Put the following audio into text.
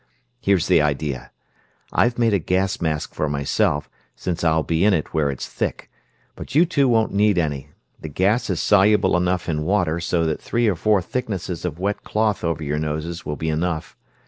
Here's the idea. I've made a gas mask for myself, since I'll be in it where it's thick, but you two won't need any. The gas is soluble enough in water so that three or four thicknesses of wet cloth over your noses will be enough.